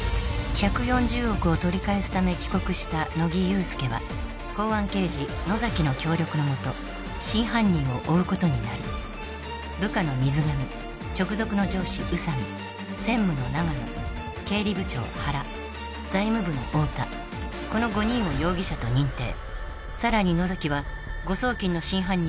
１４０億を取り返すため帰国した乃木憂助は公安刑事・野崎の協力のもと真犯人を追うことになり部下の水上直属の上司・宇佐美専務の長野経理部長・原財務部の太田この５人を容疑者と認定さらに野崎は誤送金の真犯人は